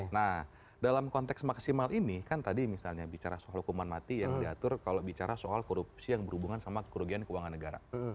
nah dalam konteks maksimal ini kan tadi misalnya bicara soal hukuman mati yang diatur kalau bicara soal korupsi yang berhubungan sama kerugian keuangan negara